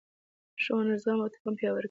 ښوونه زغم او تفاهم پیاوړی کوي